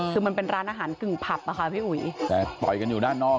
คือมันเป็นร้านอาหารกึ่งผับอะค่ะพี่อุ๋ยแต่ต่อยกันอยู่ด้านนอก